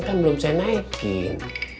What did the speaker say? kan belum saya naikin